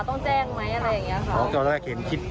ต้องแจ้งมั้ยอะไรอย่างนี้ค่ะ